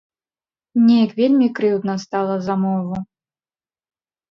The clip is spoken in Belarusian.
Неяк вельмі крыўдна стала за мову.